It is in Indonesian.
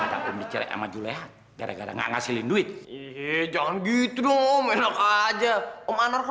oke om gak apa apa kalo emang ini keputusan om sama tante